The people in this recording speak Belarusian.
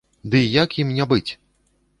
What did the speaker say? Дый як ім не быць?